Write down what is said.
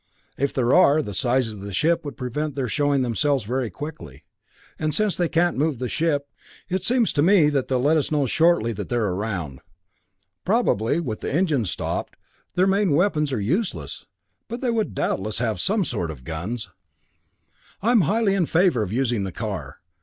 If there are, the size of the ship would prevent their showing themselves very quickly, and since they can't move the ship, it seems to me that they'll let us know shortly that they're around. Probably, with the engines stopped, their main weapons are useless, but they would doubtless have some sort of guns. I'm highly in favor of using the car.